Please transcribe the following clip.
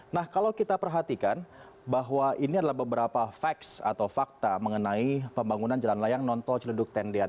nah kalau kita perhatikan bahwa ini adalah beberapa fax atau fakta mengenai pembangunan jalan layang nontol celeduk tendian